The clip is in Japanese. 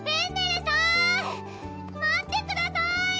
待ってください！